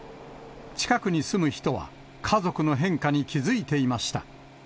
近くに住む人は、家族の変化に気付いていました。